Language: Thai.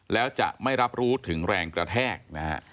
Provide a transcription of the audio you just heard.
แล้วจะไม่รับรู้ถึงแรงกระแทกนะฮะ